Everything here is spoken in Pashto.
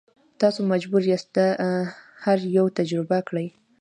تاسو مجبور یاست دا هر یو تجربه کړئ.